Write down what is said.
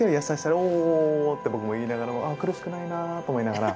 おうおうって僕も言いながらも苦しくないなと思いながら。